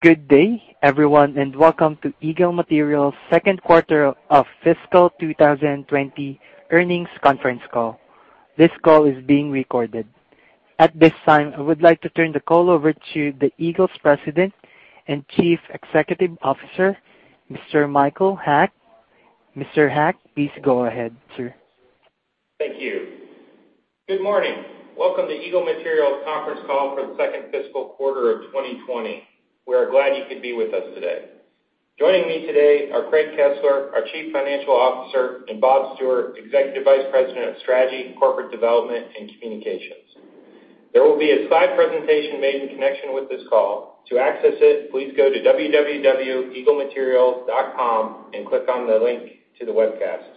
Good day, everyone, and welcome to Eagle Materials' second quarter of fiscal 2020 earnings conference call. This call is being recorded. At this time, I would like to turn the call over to the Eagle's President and Chief Executive Officer, Mr. Michael Haack. Mr. Haack, please go ahead, sir. Thank you. Good morning. Welcome to Eagle Materials conference call for the second fiscal quarter of 2020. We are glad you could be with us today. Joining me today are Craig Kesler, our Chief Financial Officer, and Bob Stewart, Executive Vice President of Strategy, Corporate Development, and Communications. There will be a slide presentation made in connection with this call. To access it, please go to www.eaglematerials.com and click on the link to the webcast.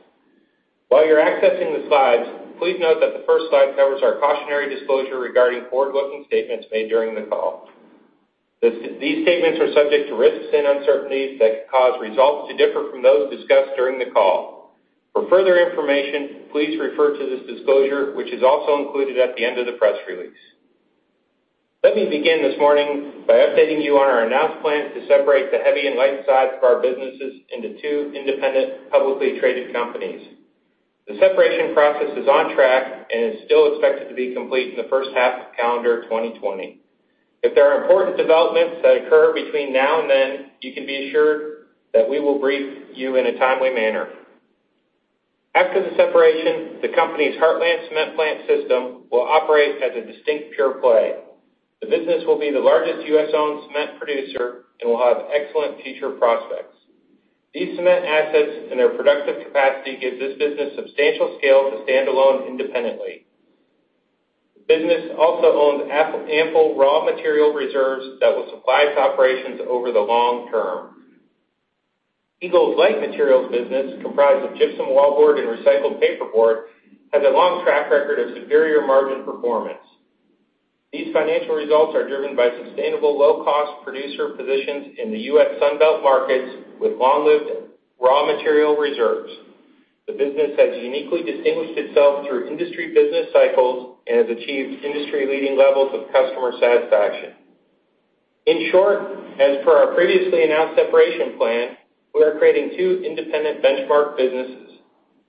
While you're accessing the slides, please note that the first slide covers our cautionary disclosure regarding forward-looking statements made during the call. These statements are subject to risks and uncertainties that could cause results to differ from those discussed during the call. For further information, please refer to this disclosure, which is also included at the end of the press release. Let me begin this morning by updating you on our announced plans to separate the heavy and light sides of our businesses into two independent, publicly traded companies. The separation process is on track and is still expected to be complete in the first half of calendar 2020. If there are important developments that occur between now and then, you can be assured that we will brief you in a timely manner. After the separation, the company's Heartland cement plant system will operate as a distinct pure-play. The business will be the largest U.S.-owned cement producer and will have excellent future prospects. These cement assets and their productive capacity give this business substantial scale to stand alone independently. The business also owns ample raw material reserves that will supply its operations over the long term. Eagle's light materials business, comprised of gypsum wallboard and recycled paperboard, has a long track record of superior margin performance. These financial results are driven by sustainable low-cost producer positions in the U.S. Sun Belt markets with long-lived raw material reserves. The business has uniquely distinguished itself through industry business cycles and has achieved industry-leading levels of customer satisfaction. In short, as per our previously announced separation plan, we are creating two independent benchmark businesses.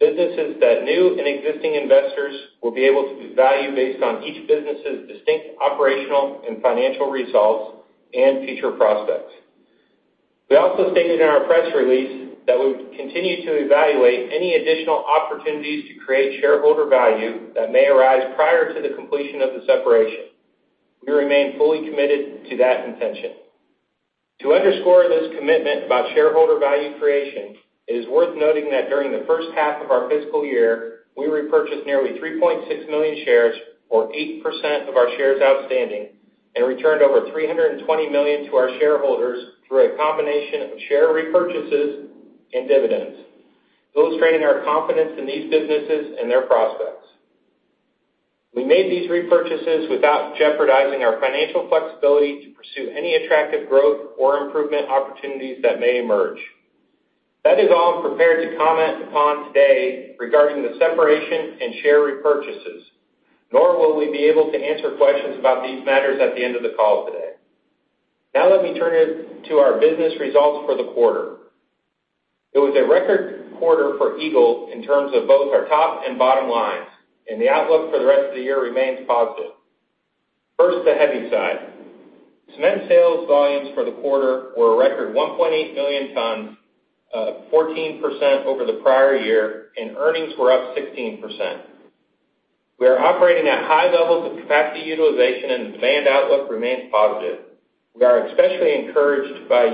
Businesses that new and existing investors will be able to value based on each business's distinct operational and financial results and future prospects. We also stated in our press release that we would continue to evaluate any additional opportunities to create shareholder value that may arise prior to the completion of the separation. We remain fully committed to that intention. To underscore this commitment about shareholder value creation, it is worth noting that during the first half of our fiscal year, we repurchased nearly 3.6 million shares, or 8% of our shares outstanding, and returned over $320 million to our shareholders through a combination of share repurchases and dividends, illustrating our confidence in these businesses and their prospects. We made these repurchases without jeopardizing our financial flexibility to pursue any attractive growth or improvement opportunities that may emerge. That is all I'm prepared to comment upon today regarding the separation and share repurchases, nor will we be able to answer questions about these matters at the end of the call today. Let me turn to our business results for the quarter. It was a record quarter for Eagle in terms of both our top and bottom lines, and the outlook for the rest of the year remains positive. First, the heavy side. Cement sales volumes for the quarter were a record 1.8 million tons, 14% over the prior year, and earnings were up 16%. We are operating at high levels of capacity utilization, and demand outlook remains positive. We are especially encouraged by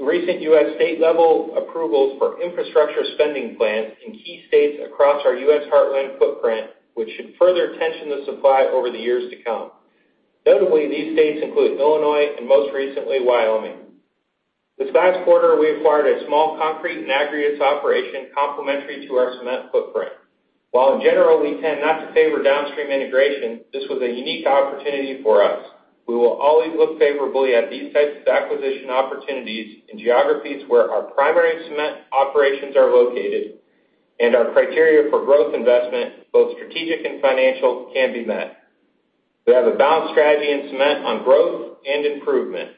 recent U.S. state-level approvals for infrastructure spending plans in key states across our U.S. Heartland footprint, which should further tension the supply over the years to come. Notably, these states include Illinois and most recently, Wyoming. This past quarter, we acquired a small concrete and aggregates operation complementary to our cement footprint. While in general, we tend not to favor downstream integration, this was a unique opportunity for us. We will always look favorably at these types of acquisition opportunities in geographies where our primary cement operations are located and our criteria for growth investment, both strategic and financial, can be met. We have a balanced strategy in cement on growth and improvement.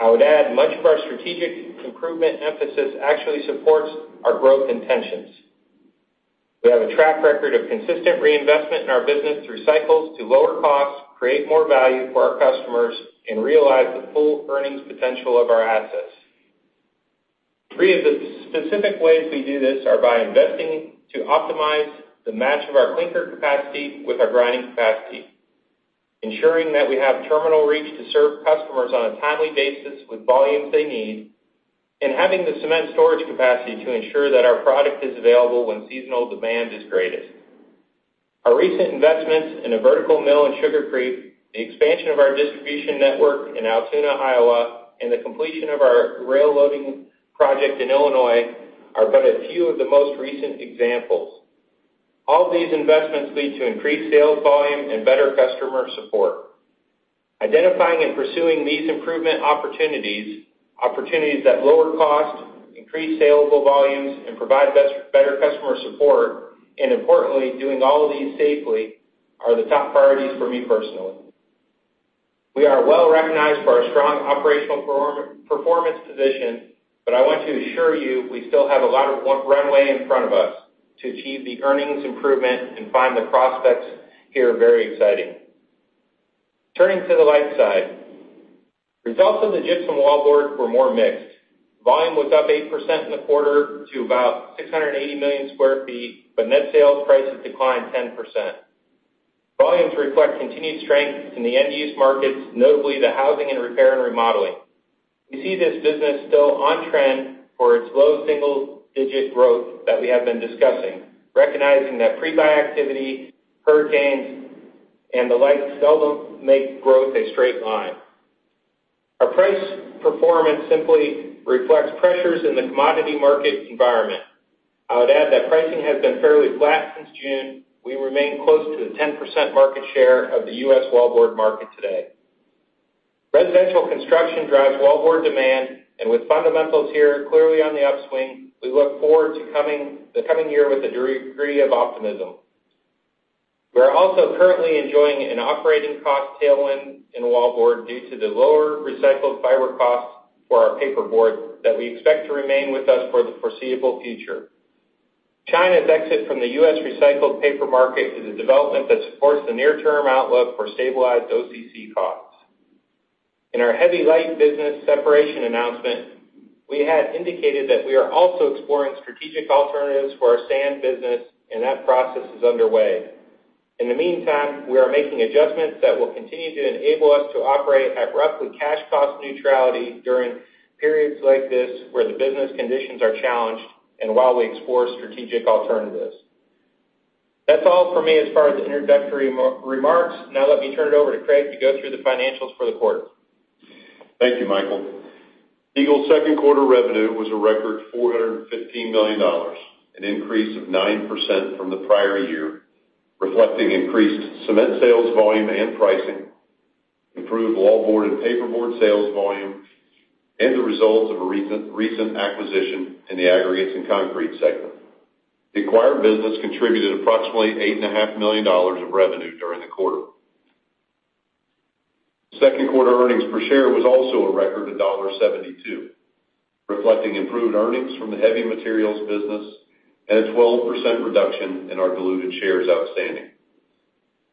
I would add much of our strategic improvement emphasis actually supports our growth intentions. We have a track record of consistent reinvestment in our business through cycles to lower costs, create more value for our customers, and realize the full earnings potential of our assets. Three of the specific ways we do this are by investing to optimize the match of our clinker capacity with our grinding capacity, ensuring that we have terminal reach to serve customers on a timely basis with volumes they need, and having the cement storage capacity to ensure that our product is available when seasonal demand is greatest. Our recent investments in a vertical mill in Sugar Creek, the expansion of our distribution network in Altoona, Iowa, and the completion of our rail loading project in Illinois are but a few of the most recent examples. All of these investments lead to increased sales volume and better customer support. Identifying and pursuing these improvement opportunities that lower cost, increase saleable volumes, and provide better customer support, and importantly, doing all of these safely are the top priorities for me personally. We are well recognized for our strong operational performance position, but I want to assure you we still have a lot of runway in front of us to achieve the earnings improvement and find the prospects here very exciting. Turning to the light side. Results on the gypsum wallboard were more mixed. Volume was up 8% in the quarter to about 680 million sq ft, but net sales prices declined 10%. Volumes reflect continued strength in the end-use markets, notably the housing and repair and remodeling. We see this business still on trend for its low single-digit growth that we have been discussing, recognizing that pre-buy activity, hurricanes, and the like seldom make growth a straight line. Our price performance simply reflects pressures in the commodity market environment. I would add that pricing has been fairly flat since June. We remain close to the 10% market share of the U.S. wallboard market today. Residential construction drives wallboard demand, and with fundamentals here clearly on the upswing, we look forward to the coming year with a degree of optimism. We are also currently enjoying an operating cost tailwind in wallboard due to the lower recycled fiber costs for our paperboard that we expect to remain with us for the foreseeable future. China's exit from the U.S. recycled paper market is a development that supports the near-term outlook for stabilized OCC costs. In our heavy/light business separation announcement, we had indicated that we are also exploring strategic alternatives for our sand business, and that process is underway. In the meantime, we are making adjustments that will continue to enable us to operate at roughly cash cost neutrality during periods like this where the business conditions are challenged and while we explore strategic alternatives. That's all for me as far as introductory remarks. Let me turn it over to Craig to go through the financials for the quarter. Thank you, Michael. Eagle's second quarter revenue was a record $415 million, an increase of 9% from the prior year, reflecting increased cement sales volume and pricing, improved wallboard and paperboard sales volume, and the results of a recent acquisition in the aggregates and concrete segment. The acquired business contributed approximately $8.5 million of revenue during the quarter. Second quarter earnings per share was also a record, at $1.72, reflecting improved earnings from the Heavy Materials business and a 12% reduction in our diluted shares outstanding.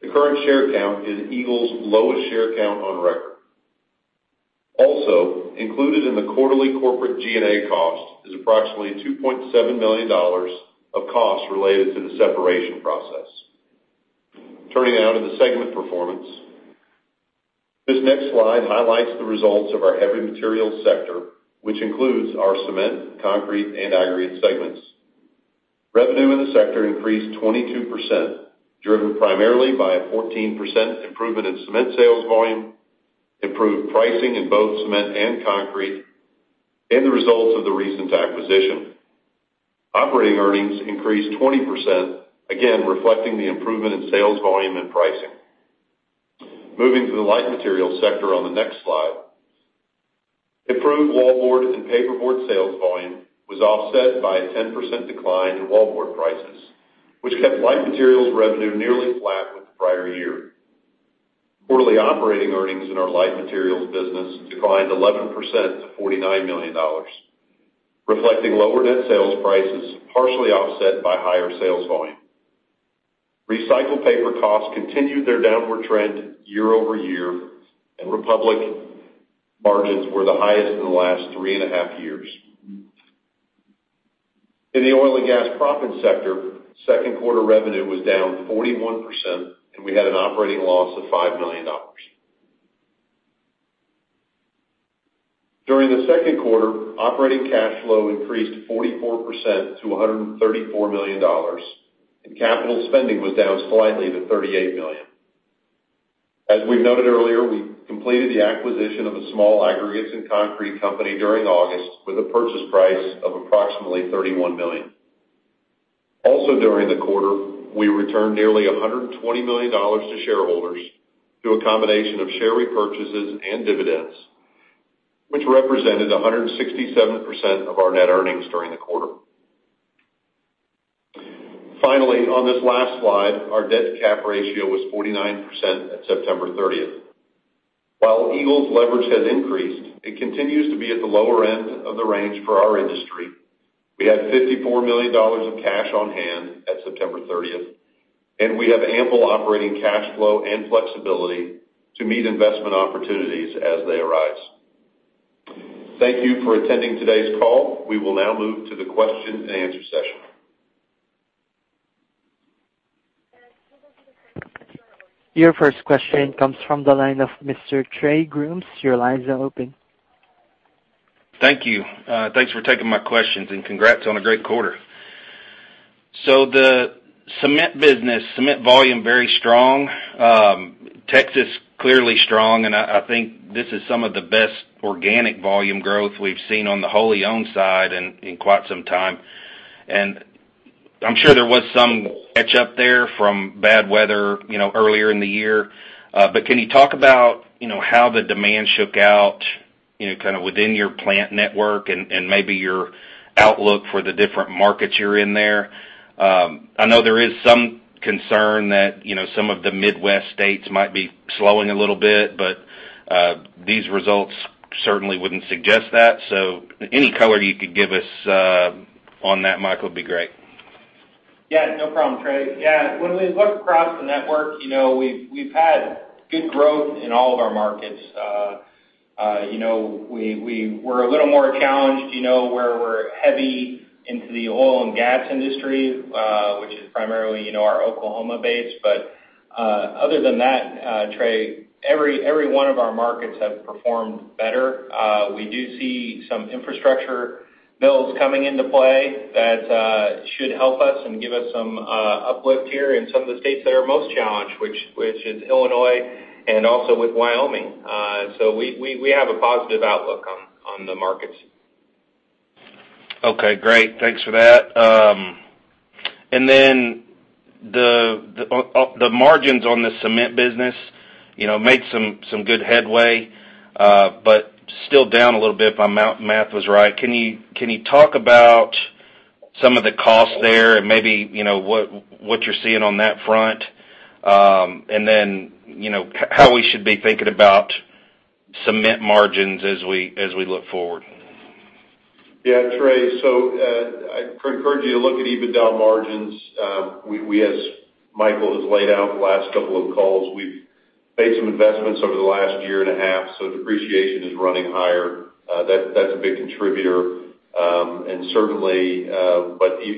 The current share count is Eagle's lowest share count on record. Also, included in the quarterly corporate G&A cost is approximately $2.7 million of costs related to the separation process. Turning now to the segment performance. This next slide highlights the results of our Heavy Materials sector, which includes our cement, concrete, and aggregate segments. Revenue in the sector increased 22%, driven primarily by a 14% improvement in cement sales volume, improved pricing in both cement and concrete, and the results of the recent acquisition. Operating earnings increased 20%, again, reflecting the improvement in sales volume and pricing. Moving to the light materials sector on the next slide. Improved wallboard and paperboard sales volume was offset by a 10% decline in wallboard prices, which kept light materials revenue nearly flat with the prior year. Quarterly operating earnings in our light materials business declined 11% to $49 million, reflecting lower net sales prices, partially offset by higher sales volume. Recycled paper costs continued their downward trend year-over-year, and Republic margins were the highest in the last three and a half years. In the oil and gas proppant sector, second quarter revenue was down 41%, and we had an operating loss of $5 million. During the second quarter, operating cash flow increased 44% to $134 million, and capital spending was down slightly to $38 million. As we noted earlier, we completed the acquisition of a small aggregates and concrete company during August with a purchase price of approximately $31 million. Also during the quarter, we returned nearly $120 million to shareholders through a combination of share repurchases and dividends, which represented 167% of our net earnings during the quarter. Finally, on this last slide, our debt to cap ratio was 49% at September 30th. While Eagle's leverage has increased, it continues to be at the lower end of the range for our industry. We had $54 million of cash on hand at September 30th, and we have ample operating cash flow and flexibility to meet investment opportunities as they arise. Thank you for attending today's call. We will now move to the question and answer session. Your first question comes from the line of Mr. Trey Grooms. Your lines are open. Thank you. Thanks for taking my questions, congrats on a great quarter. The cement business, cement volume, very strong. Texas, clearly strong, I think this is some of the best organic volume growth we've seen on the wholly owned side in quite some time. I'm sure there was some catch-up there from bad weather earlier in the year. Can you talk about how the demand shook out kind of within your plant network and maybe your outlook for the different markets you're in there. I know there is some concern that some of the Midwest states might be slowing a little bit, but these results certainly wouldn't suggest that. Any color you could give us on that, Michael, would be great. Yeah, no problem, Trey. When we look across the network, we've had good growth in all of our markets. We're a little more challenged where we're heavy into the oil and gas industry, which is primarily our Oklahoma base. Other than that, Trey, every one of our markets have performed better. We do see some infrastructure bills coming into play that should help us and give us some uplift here in some of the states that are most challenged, which is Illinois and also with Wyoming. We have a positive outlook on the markets. Okay, great. Thanks for that. The margins on the cement business made some good headway. Still down a little bit if my math was right. Can you talk about some of the costs there and maybe what you're seeing on that front? How we should be thinking about cement margins as we look forward? Yeah, Trey. I'd encourage you to look at EBITDA margins. As Michael has laid out the last couple of calls, we've made some investments over the last year and a half, depreciation is running higher. That's a big contributor.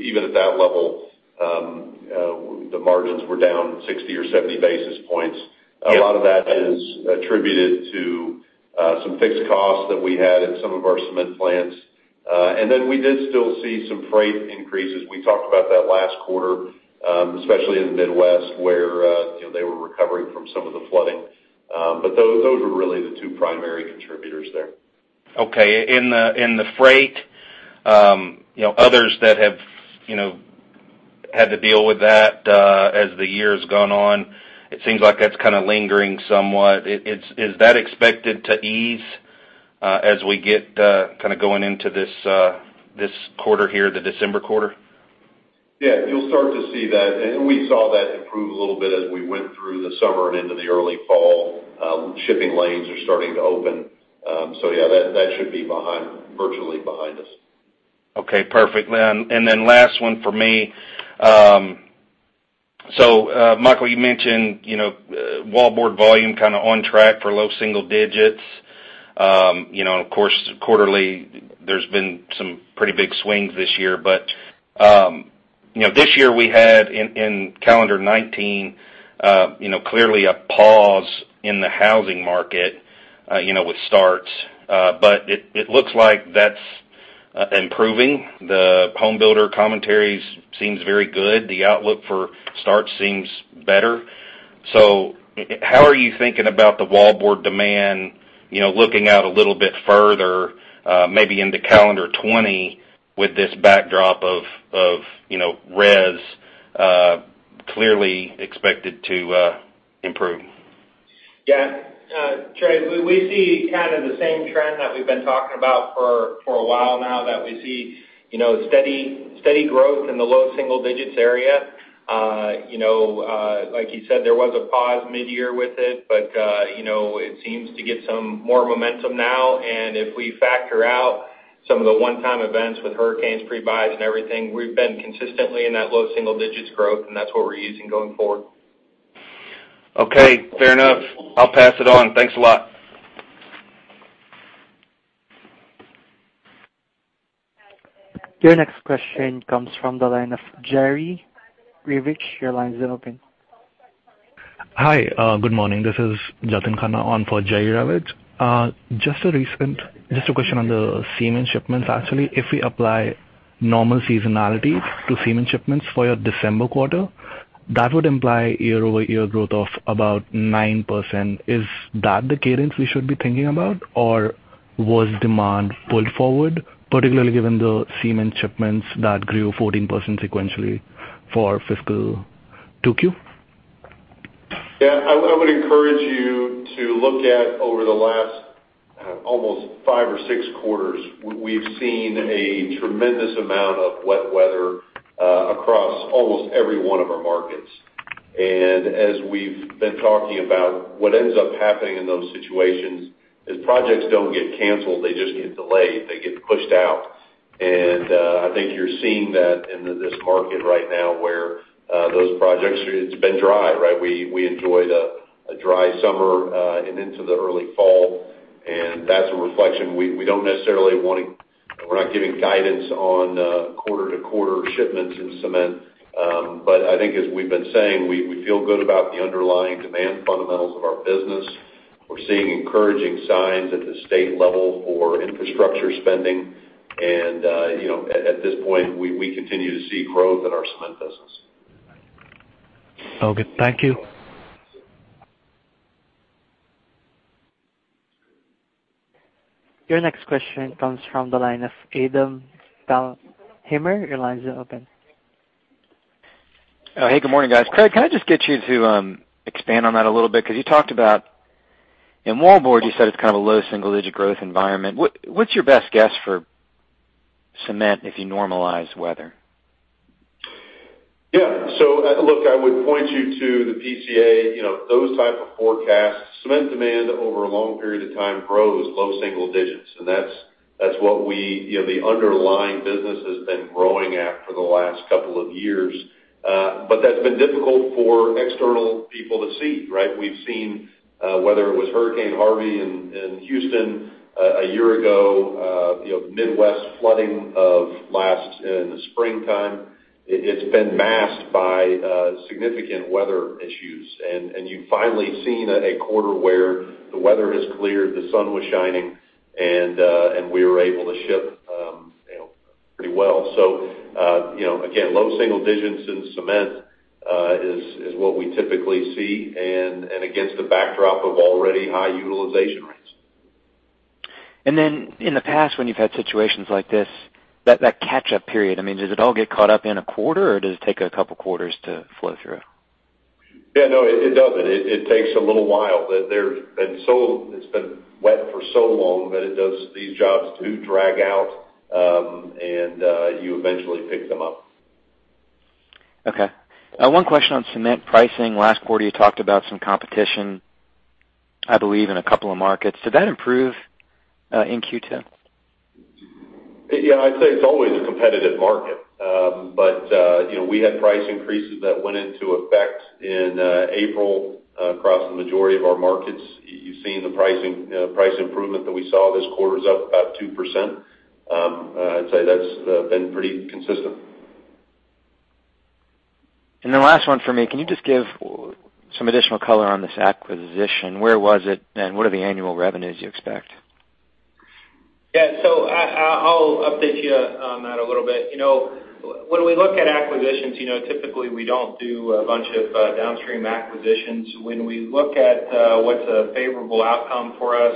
Even at that level, the margins were down 60 or 70 basis points. Yeah. A lot of that is attributed to some fixed costs that we had in some of our cement plants. We did still see some freight increases. We talked about that last quarter, especially in the Midwest, where they were recovering from some of the flooding. Those were really the two primary contributors there. Okay. In the freight, others that have had to deal with that as the year has gone on, it seems like that's kind of lingering somewhat. Is that expected to ease as we get kind of going into this quarter here, the December quarter? Yeah, you'll start to see that. We saw that improve a little bit as we went through the summer and into the early fall. Shipping lanes are starting to open. Yeah, that should be virtually behind us. Okay, perfect. Last one for me. Michael Haack, you mentioned wallboard volume kind of on track for low single digits. Of course, quarterly there's been some pretty big swings this year. This year we had, in calendar 2019, clearly a pause in the housing market with starts. It looks like that's improving. The home builder commentaries seems very good. The outlook for starts seems better. How are you thinking about the wallboard demand, looking out a little bit further, maybe into calendar 2020 with this backdrop of res, clearly expected to improve? Yeah. Trey, we see kind of the same trend that we've been talking about for a while now, that we see steady growth in the low single digits area. Like you said, there was a pause mid-year with it, but it seems to get some more momentum now. If we factor out some of the one-time events with hurricanes, pre-buys and everything, we've been consistently in that low single digits growth, and that's what we're using going forward. Okay, fair enough. I'll pass it on. Thanks a lot. Your next question comes from the line of Jerry Revich. Your line is now open. Hi, good morning. This is Jatin Khanna on for Jerry Revich. Just a question on the cement shipments, actually. If we apply normal seasonality to cement shipments for your December quarter, that would imply year-over-year growth of about 9%. Is that the cadence we should be thinking about, or was demand pulled forward, particularly given the cement shipments that grew 14% sequentially for fiscal 2Q? Yeah, I would encourage you to look at over the last almost five or six quarters, we've seen a tremendous amount of wet weather across almost every one of our markets. As we've been talking about, what ends up happening in those situations is projects don't get canceled, they just get delayed. They get pushed out. I think you're seeing that in this market right now where those projects, it's been dry, right? We enjoyed a dry summer and into the early fall, and that's a reflection. We're not giving guidance on quarter-to-quarter shipments in cement. I think as we've been saying, we feel good about the underlying demand fundamentals of our business. We're seeing encouraging signs at the state level for infrastructure spending. At this point, we continue to see growth in our cement business. Okay. Thank you. Your next question comes from the line of Adam Baumgarten. Your line is now open. Oh, hey. Good morning, guys. Craig, can I just get you to expand on that a little bit? You talked about, in wallboard, you said it's kind of a low single-digit growth environment. What's your best guess for cement if you normalize weather? Yeah. Look, I would point you to the PCA, those type of forecasts. Cement demand over a long period of time grows low single digits. That's what the underlying business has been growing at for the last couple of years. That's been difficult for external people to see, right? We've seen, whether it was Hurricane Harvey in Houston a year ago, the Midwest flooding in the springtime, it's been masked by significant weather issues. You've finally seen a quarter where the weather has cleared, the sun was shining, and we were able to ship pretty well. Again, low single digits in cement is what we typically see, and against the backdrop of already high utilization rates. In the past, when you've had situations like this, that catch-up period, does it all get caught up in a quarter, or does it take a couple quarters to flow through? Yeah, no, it doesn't. It takes a little while. It's been wet for so long that these jobs do drag out. You eventually pick them up. Okay. One question on cement pricing. Last quarter, you talked about some competition, I believe, in a couple of markets. Did that improve in Q2? Yeah, I'd say it's always a competitive market. We had price increases that went into effect in April across the majority of our markets. You've seen the price improvement that we saw this quarter is up about 2%. I'd say that's been pretty consistent. The last one for me, can you just give some additional color on this acquisition? Where was it, and what are the annual revenues you expect? Yeah, I'll update you on that a little bit. When we look at acquisitions, typically we don't do a bunch of downstream acquisitions. When we look at what's a favorable outcome for us,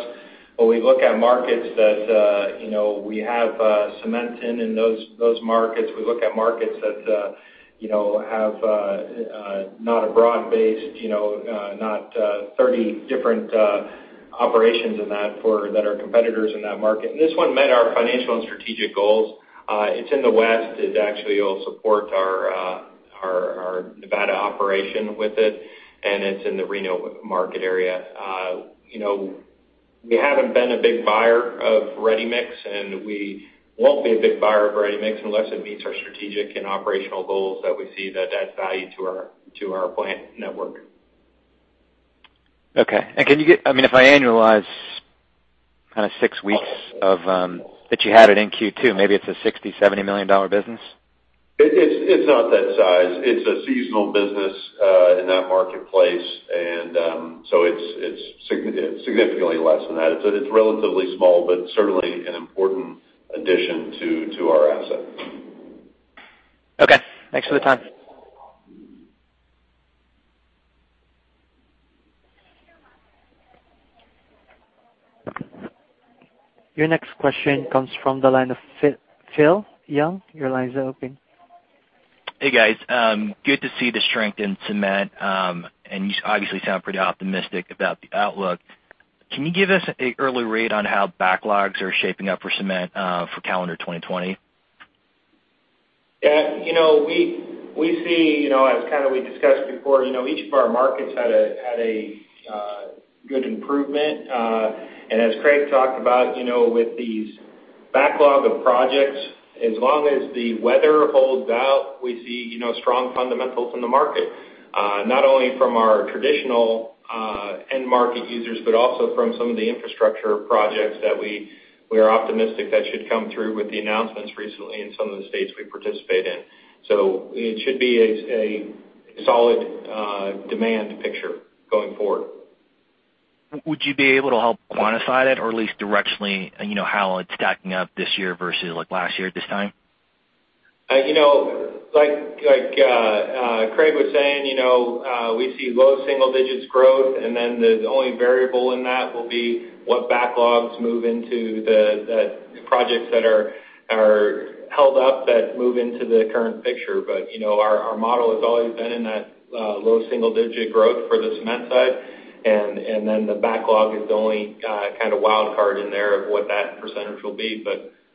when we look at markets that we have cement in those markets, we look at markets that have not a broad base, not 30 different operations in that that are competitors in that market. This one met our financial and strategic goals. It's in the West. It actually will support our Nevada operation with it, and it's in the Reno market area. We haven't been a big buyer of ready-mix, and we won't be a big buyer of ready-mix unless it meets our strategic and operational goals that we see that adds value to our plant network. Okay. If I annualize kind of six weeks that you had it in Q2, maybe it's a $60, $70 million business? It's not that size. It's a seasonal business in that marketplace. It's significantly less than that. It's relatively small, but certainly an important addition to our asset. Okay, thanks for the time. Your next question comes from the line of Philip Ng. Your line is open. Hey, guys. Good to see the strength in cement. You obviously sound pretty optimistic about the outlook. Can you give us an early read on how backlogs are shaping up for cement for calendar 2020? Yeah. We see, as kind of we discussed before, each of our markets had a good improvement. As Craig talked about with these backlog of projects, as long as the weather holds out, we see strong fundamentals in the market. Not only from our traditional end market users, but also from some of the infrastructure projects that we are optimistic that should come through with the announcements recently in some of the states we participate in. It should be a solid demand picture going forward. Would you be able to help quantify that, or at least directionally, how it's stacking up this year versus last year at this time? Like Craig Kesler was saying, we see low single digits growth, and then the only variable in that will be what backlogs move into the projects that are held up that move into the current picture. Our model has always been in that low single digit growth for the cement side. The backlog is the only kind of wild card in there of what that percentage will be.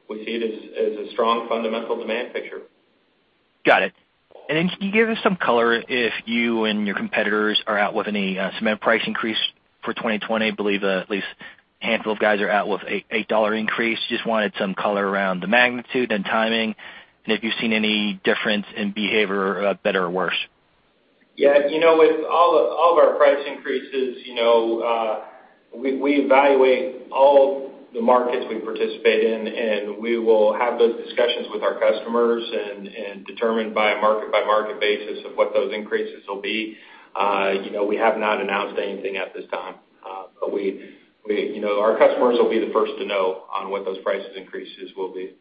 We see it as a strong fundamental demand picture. Got it. Can you give us some color if you and your competitors are out with any cement price increase for 2020? I believe at least a handful of guys are out with an $8 increase. Just wanted some color around the magnitude and timing, and if you've seen any difference in behavior, better or worse. Yeah. With all of our price increases, we evaluate all the markets we participate in, and we will have those discussions with our customers and determine by a market by market basis of what those increases will be. We have not announced anything at this time. Our customers will be the first to know on what those price increases will be.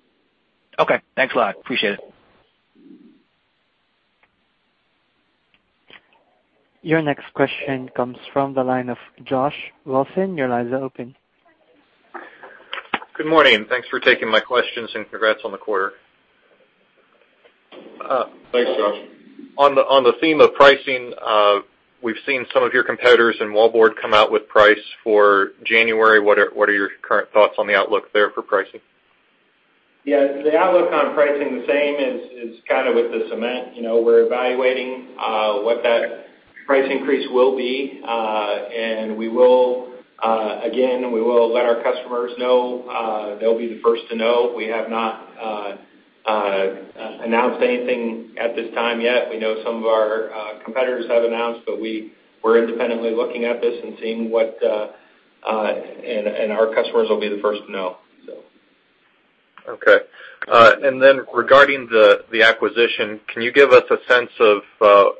Okay, thanks a lot. Appreciate it. Your next question comes from the line of Josh Wolfson. Your line is open. Good morning. Thanks for taking my questions and congrats on the quarter. Thanks, Josh. On the theme of pricing, we've seen some of your competitors in wallboard come out with price for January. What are your current thoughts on the outlook there for pricing? Yeah, the outlook on pricing the same as it is with the cement. We're evaluating what that price increase will be. Again, we will let our customers know. They'll be the first to know. We have not announced anything at this time yet. We know some of our competitors have announced, but we're independently looking at this and our customers will be the first to know. Okay. Regarding the acquisition, can you give us a sense of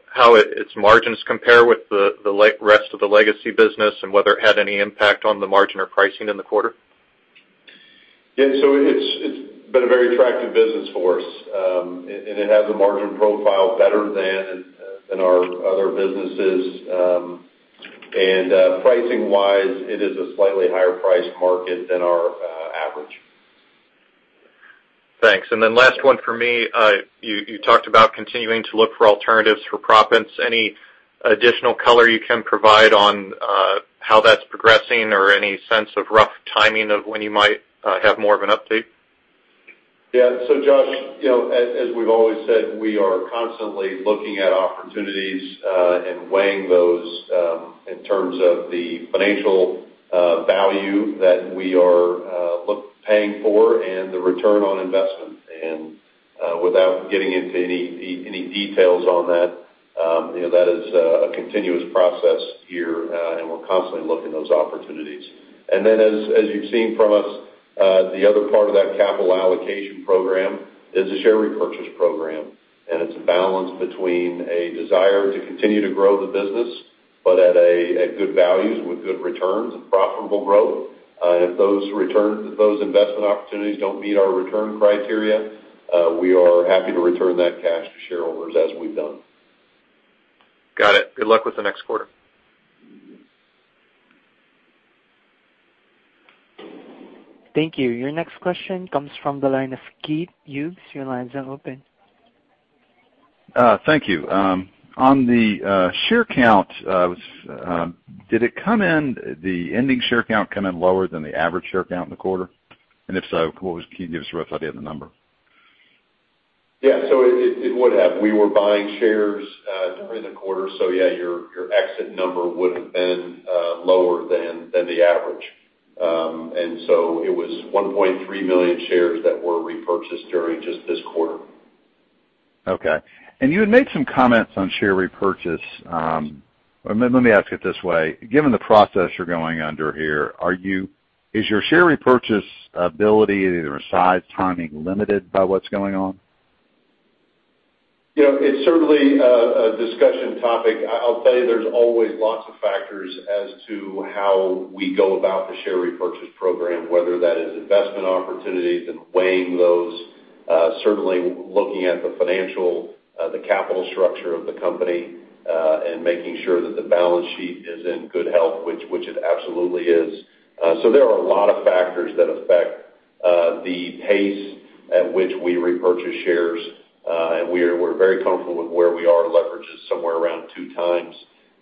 how its margins compare with the rest of the legacy business and whether it had any impact on the margin or pricing in the quarter? Yeah. It's been a very attractive business for us. It has a margin profile better than our other businesses. Pricing wise, it is a slightly higher priced market than our average. Thanks. Last one for me. You talked about continuing to look for alternatives for proppants. Any additional color you can provide on how that's progressing or any sense of rough timing of when you might have more of an update? Yeah. Josh, as we've always said, we are constantly looking at opportunities, and weighing those in terms of the financial value that we are paying for and the return on investment. Without getting into any details on that is a continuous process here, and we're constantly looking at those opportunities. Then as you've seen from us, the other part of that capital allocation program is a share repurchase program, and it's a balance between a desire to continue to grow the business, but at good values with good returns and profitable growth. If those investment opportunities don't meet our return criteria, we are happy to return that cash to shareholders as we've done. Got it. Good luck with the next quarter. Thank you. Your next question comes from the line of Keith Hughes. Your line is now open. Thank you. On the share count, did the ending share count come in lower than the average share count in the quarter? If so, can you give us a rough idea of the number? Yeah. It would have. We were buying shares during the quarter. Yeah, your exit number would've been lower than the average. It was 1.3 million shares that were repurchased during just this quarter. Okay. You had made some comments on share repurchase. Let me ask it this way. Given the process you're going under here, is your share repurchase ability, either size, timing, limited by what's going on? It's certainly a discussion topic. I'll tell you there's always lots of factors as to how we go about the share repurchase program, whether that is investment opportunities and weighing those, certainly looking at the financial, the capital structure of the company, and making sure that the balance sheet is in good health, which it absolutely is. There are a lot of factors that affect the pace at which we repurchase shares. We're very comfortable with where we are. Leverage is somewhere around two times.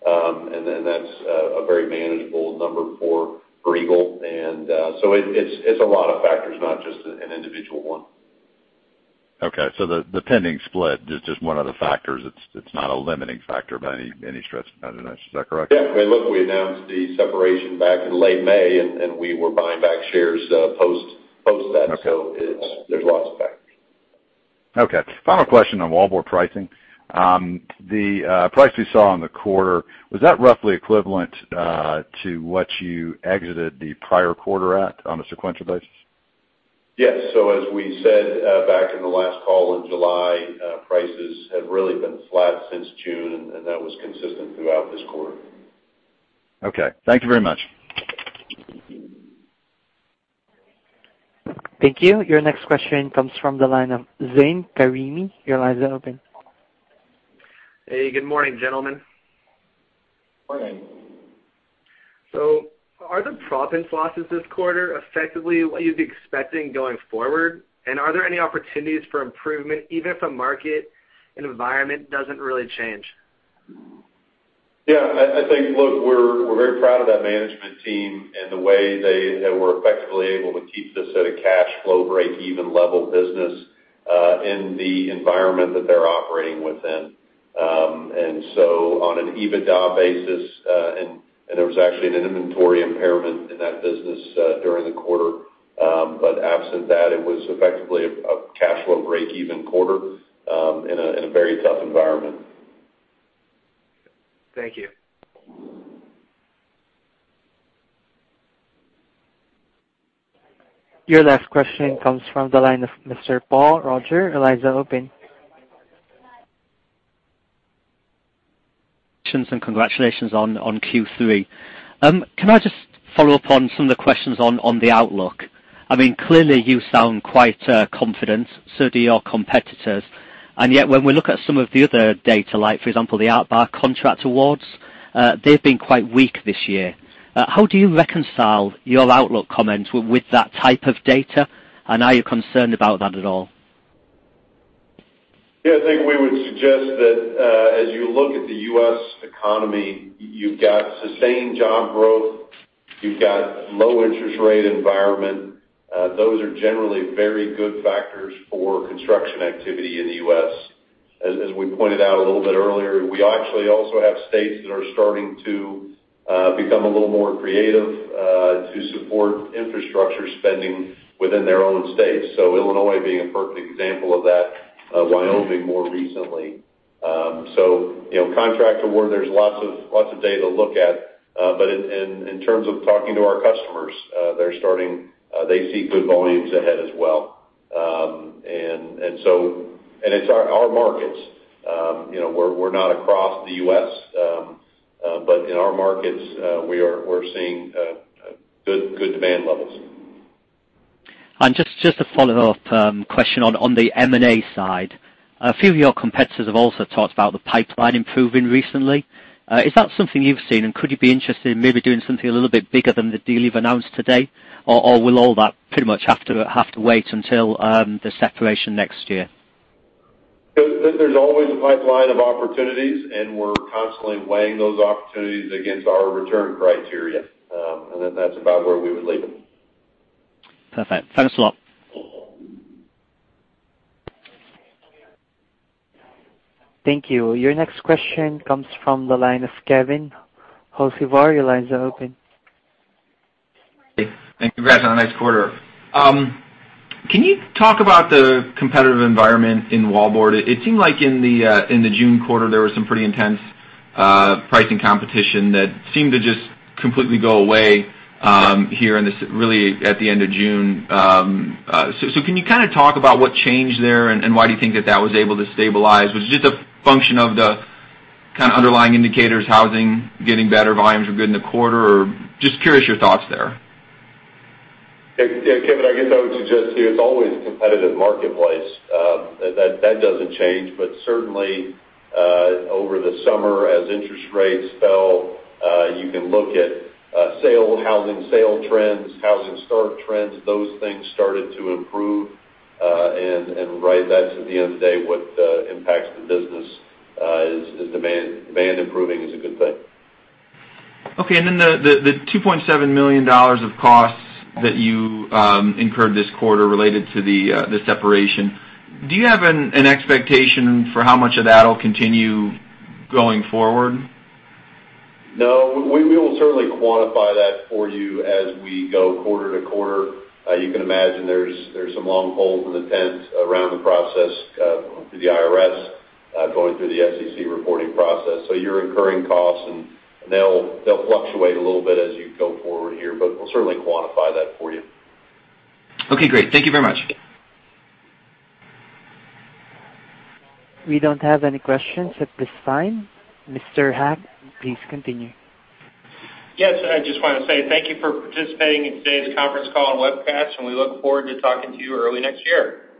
That's a very manageable number for Eagle. It's a lot of factors, not just an individual one. Okay. The pending split is just one of the factors. It's not a limiting factor by any stretch of the imagination. Is that correct? Yeah. Look, we announced the separation back in late May, and we were buying back shares post that. Okay. There's lots of factors. Final question on wallboard pricing. The price we saw on the quarter, was that roughly equivalent to what you exited the prior quarter at on a sequential basis? Yes. As we said back in the last call in July, prices have really been flat since June, and that was consistent throughout this quarter. Okay. Thank you very much. Thank you. Your next question comes from the line of Zain Karimi. Your line is now open. Hey, good morning, gentlemen. Morning. Are the proppant losses this quarter effectively what you'd be expecting going forward? Are there any opportunities for improvement even if the market environment doesn't really change? Yeah, I think, look, we're very proud of that management team and the way they were effectively able to keep this at a cash flow breakeven level business, in the environment that they're operating within. On an EBITDA basis, and there was actually an inventory impairment in that business during the quarter. Absent that, it was effectively a cash flow breakeven quarter in a very tough environment. Thank you. Your last question comes from the line of Mr. Paul Roger. Your line is now open. Congratulations on Q3. Can I just follow up on some of the questions on the outlook? Clearly you sound quite confident. Do your competitors. Yet when we look at some of the other data, like for example, the ABI contract awards. They've been quite weak this year. How do you reconcile your outlook comments with that type of data, and are you concerned about that at all? I think we would suggest that as you look at the U.S. economy, you've got sustained job growth, you've got low interest rate environment. Those are generally very good factors for construction activity in the U.S. As we pointed out a little bit earlier, we actually also have states that are starting to become a little more creative to support infrastructure spending within their own states. Illinois being a perfect example of that, Wyoming more recently. Contract award, there's lots of data to look at. In terms of talking to our customers, they see good volumes ahead as well. It's our markets. We're not across the U.S., but in our markets, we're seeing good demand levels. Just a follow-up question on the M&A side. A few of your competitors have also talked about the pipeline improving recently. Is that something you've seen, and could you be interested in maybe doing something a little bit bigger than the deal you've announced today? Will all that pretty much have to wait until the separation next year? There's always a pipeline of opportunities, and we're constantly weighing those opportunities against our return criteria. That's about where we would leave it. Perfect. Thanks a lot. Thank you. Your next question comes from the line of Kevin Hocevar. Your line's open. Hey, congrats on a nice quarter. Can you talk about the competitive environment in Wallboard? It seemed like in the June quarter, there was some pretty intense pricing competition that seemed to just completely go away here in this, really at the end of June. Can you kind of talk about what changed there, and why do you think that that was able to stabilize? Was it just a function of the kind of underlying indicators, housing getting better, volumes were good in the quarter? Or just curious your thoughts there. Yeah, Kevin, I guess I would suggest to you it's always a competitive marketplace. That doesn't change. Certainly, over the summer, as interest rates fell, you can look at housing sale trends, housing start trends. Those things started to improve, right, that's at the end of the day, what impacts the business is demand. Demand improving is a good thing. Okay, the $2.7 million of costs that you incurred this quarter related to the separation, do you have an expectation for how much of that'll continue going forward? No, we will certainly quantify that for you as we go quarter to quarter. You can imagine there's some long poles in the tent around the process through the IRS, going through the SEC reporting process. You're incurring costs, and they'll fluctuate a little bit as you go forward here. We'll certainly quantify that for you. Okay, great. Thank you very much. We don't have any questions at this time. Mr. Haack, please continue. Yes, I just want to say thank you for participating in today's conference call and webcast. We look forward to talking to you early next year.